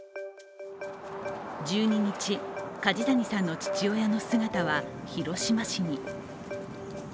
１２日、梶谷さんの父親の姿は広島市に。